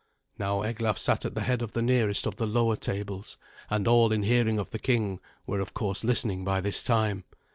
Now Eglaf sat at the head of the nearest of the lower tables, and all in hearing of the king were of course listening by this time.